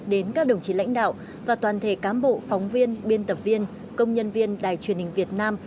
đến các đồng chí lãnh đạo và toàn thể cám bộ phóng viên biên tập viên công nhân viên đài truyền hình việt nam